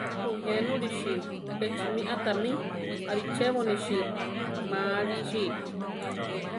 Buyénulisi! Echimi a tami arichebonisi ma alisi.